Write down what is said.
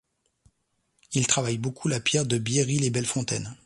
Il travaille beaucoup la pierre de Bierry-les-Belles-Fontaines.